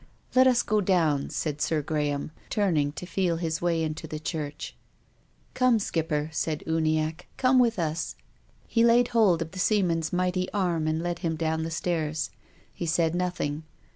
" Let us go down," said Sir Graham, turning to feel his way into the church. THE RAINBOW. 21 "Come, Skipper," said Uniacke, "come with us." He laid hold of the seaman's mighty arm and led him down the stairs. He said nothing.